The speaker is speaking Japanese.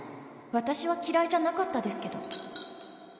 わたしは嫌いじゃなかったですけど